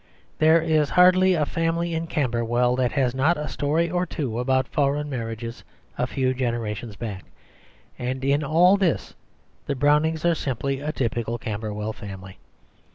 There is hardly a family in Camberwell that has not a story or two about foreign marriages a few generations back; and in all this the Brownings are simply a typical Camberwell family.